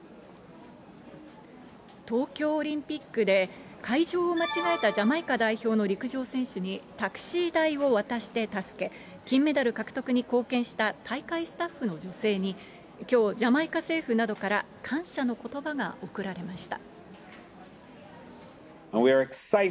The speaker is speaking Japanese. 東京オリンピックで、会場を間違えたジャマイカ代表の陸上選手に、タクシー代を渡して助け、金メダル獲得に貢献した大会スタッフの女性に、きょう、ジャマイカ政府などから感謝のことばが送られました。